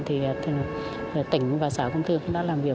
tỉnh và sở công thương đã làm việc